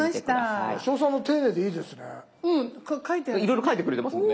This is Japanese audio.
いろいろ書いてくれてますもんね。